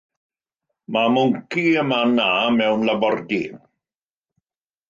Mae mwnci ym man A mewn labordy.